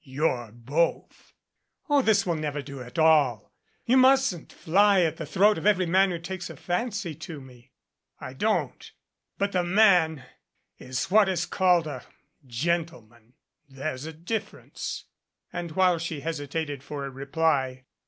"You're both." "Oh, this will never do at all ! You mustn't fly at the throat of every man who takes a fancy to me." "I don't but the man is what is called a gentle man. There's a difference." And while she hesitated for a reply.